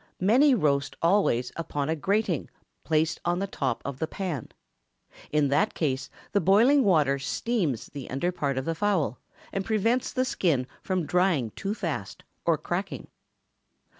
Many roast always upon a grating placed on the top of the pan. In that case the boiling water steams the underpart of the fowl, and prevents the skin from drying too fast, or cracking.